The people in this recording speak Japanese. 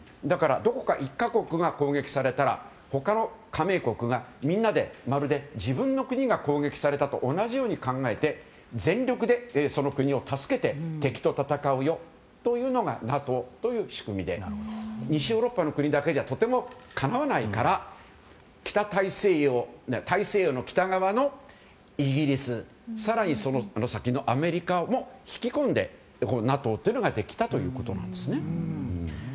だから、どこか１か国が攻撃されたら他の加盟国がみんなで、まるで自分の国が攻撃されたと同じように考えて全力でその国を助けて敵と戦うよというのがＮＡＴＯという仕組みで西ヨーロッパの国だけじゃとてもかなわないから大西洋の北側のイギリスや更にその先のアメリカも引き込んでＮＡＴＯというのができたということなんですね。